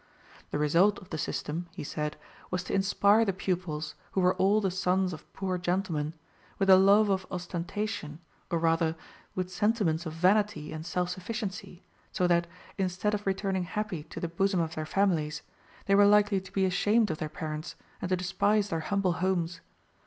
The result of the system, he said, was to inspire the pupils, who were all the sons of poor gentlemen, with a love of ostentation, or rather, with sentiments of vanity and self sufficiency; so that, instead of returning happy to the bosom of their families, they were likely to be ashamed of their parents, and to despise their humble homes.